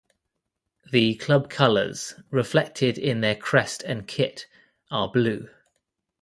The club colours, reflected in their crest and kit, are blue.